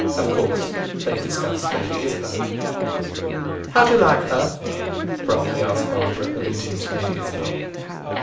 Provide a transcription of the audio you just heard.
Of course they discussed Lady Isabel. "How do you like her?" abruptly asked Barbara, alluding to Lady Isabel.